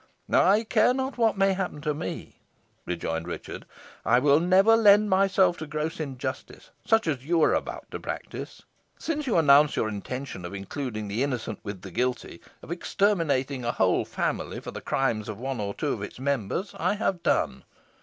"I care not what may happen to me," rejoined Richard; "I will never lend myself to gross injustice such as you are about to practise. Since you announce your intention of including the innocent with the guilty, of exterminating a whole family for the crimes of one or two of its members, I have done.